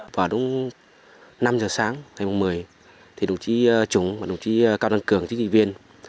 vào đúng năm giờ sáng ngày một mươi đồng chí trùng và đồng chí cao đăng cường chính trị viên